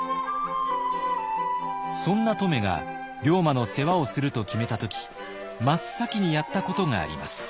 そんな乙女が龍馬の世話をすると決めた時真っ先にやったことがあります。